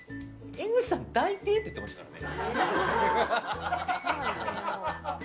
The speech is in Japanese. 江口さん抱いて！って言ってましたね。